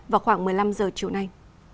vào khoảng một mươi năm giờ chiều nay